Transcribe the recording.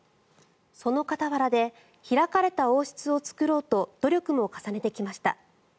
その傍らで開かれた王室を作ろうと努力も重ねてきました。